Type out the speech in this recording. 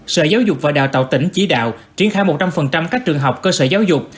sở giáo dục và đào tạo tỉnh chỉ đạo triển khai một trăm linh các trường học cơ sở giáo dục